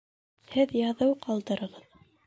Һеҙ яҙыу ҡалдырығыҙ